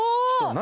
何？